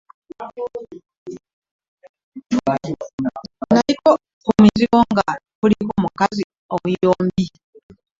Naliko ku mizigo nga kulinako omukazi omuyombi.